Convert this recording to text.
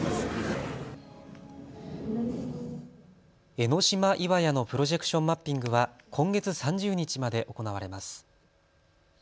江の島岩屋のプロジェクションマッピングは今月３０日まで行われます。